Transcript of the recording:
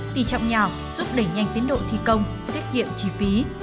tỷ trọng nhỏ giúp đẩy nhanh tiến độ thi công tiết kiệm chi phí